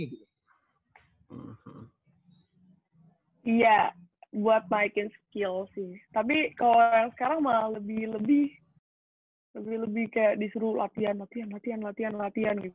iya buat naikin skill sih tapi kalo yang sekarang mah lebih lebih kayak disuruh latihan latihan latihan latihan latihan gitu